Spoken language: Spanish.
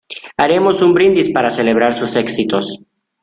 Haremos un brindis para celebrar sus éxitos.